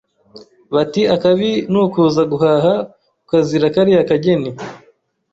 Bati akabi ni ukuza guhaha ukazira kariya kageni.